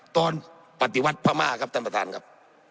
ตอนปฏิวัติพม่าครับท่านประธานครับ